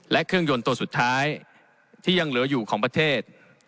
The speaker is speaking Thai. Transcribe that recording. และเครื่องยนต์ตัวสุดท้ายที่ยังเหลืออยู่ของประเทศ